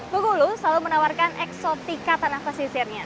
bengkulu selalu menawarkan eksotika tanah pesisirnya